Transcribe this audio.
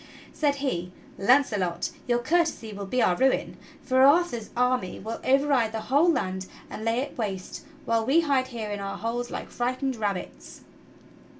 Said he: "Launcelot, your courtesy will be our ruin, for Arthur's army will override the whole land and lay it waste while we hide here in our holes like frightened rabbits."